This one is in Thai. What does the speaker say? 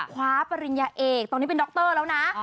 ปริญญาเอกตอนนี้เป็นดรแล้วนะ